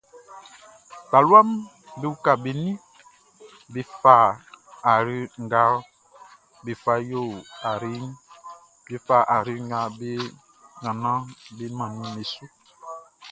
Taluaʼm be uka be ninʼm be fa ayre nga be fa yo ayreʼn, be fa ayre nga be nannanʼm be mannin beʼn su.